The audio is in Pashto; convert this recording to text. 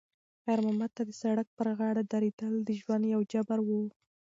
خیر محمد ته د سړک پر غاړه درېدل د ژوند یو جبر و.